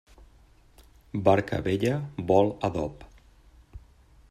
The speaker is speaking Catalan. Barca vella vol adob.